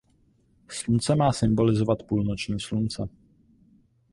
Slunce má symbolizovat půlnoční slunce.